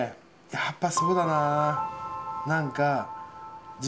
やっぱそうだな。